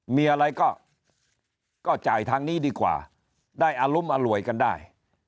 มีอะไรก็จ่ายทางนี้ดีกว่าได้อารุมอร่วยกันได้